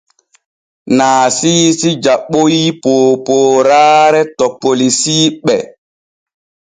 Naasiisi jaɓoy poopooraare to polisiiɓe.